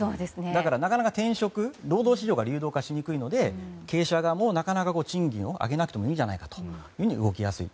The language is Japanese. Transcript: だからなかなか転職労働市場が流動化しにくいのでなかなか賃金を上げなくてもいいじゃないかと動きやすい。